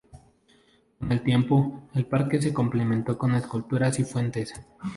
Con el tiempo, el parque se complementó con esculturas y fuentes.